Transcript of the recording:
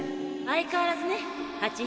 相変わらずねハチ。